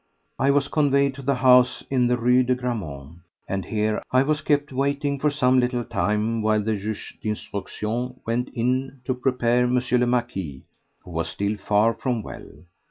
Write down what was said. I was conveyed to the house in the Rue de Grammont, and here I was kept waiting for some little time while the juge d'instruction went in to prepare M. le Marquis, who was still far from well.